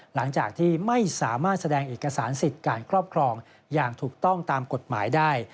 หลังจากที่ไม่สามารถแสดงเอกสารสิทธิ์การครอบครองอย่างถูกต้องตามกฎหมายได้